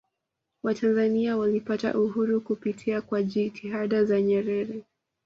watanzania walipata uhuru kupitia kwa jitihada za nyerere